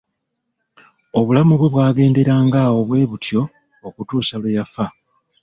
Obulamu bwe bwagenderanga awo bwe butyo okutuusa lwe yafa.